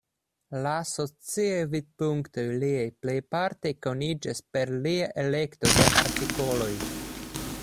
La sociaj vidpunktoj liaj plejparte koniĝas per lia elekto de artikoloj.